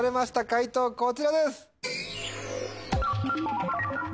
解答こちらです。